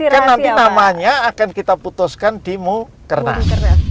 kan nanti namanya akan kita putuskan di mukernas